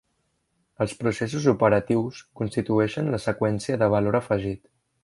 Els processos operatius constitueixen la seqüència de valor afegit.